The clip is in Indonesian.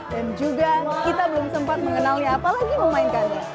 dan juga kita belum sempat mengenalnya apalagi memainkannya